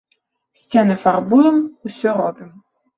Сцены фарбуем, усё робім.